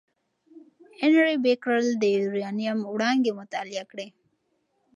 انري بکرېل د یورانیم وړانګې مطالعه کړې.